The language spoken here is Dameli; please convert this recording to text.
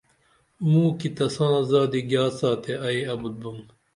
موکی تساں زادی گیاڅہ تے ائی ابُت بُم